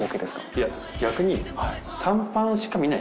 いや逆に。